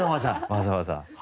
わざわざ。